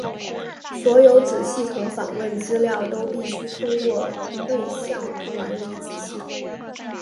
所有子系统访问资源都必须通过对象管理子系统。